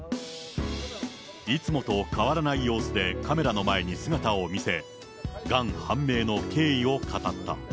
いつもと変わらない様子でカメラの前に姿を見せ、がん判明の経緯を語った。